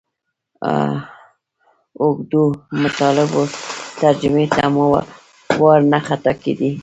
اوږدو مطالبو ترجمې ته مو وار نه خطا کېدئ.